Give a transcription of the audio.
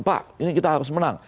jadi kita harus menang